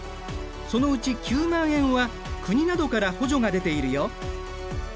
そのうち９万円は国などから補助が出ているよ。